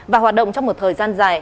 và hoạt động trong một thời gian dài